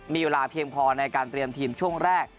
มีเวลาเพียงพอในการเตรียมทีมช่วงแรก